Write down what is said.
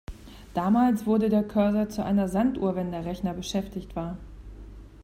Damals wurde der Cursor zu einer Sanduhr, wenn der Rechner beschäftigt war.